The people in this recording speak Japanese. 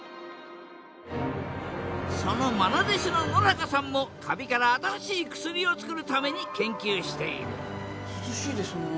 そのまな弟子の野中さんもカビから新しい薬をつくるために研究している涼しいですね。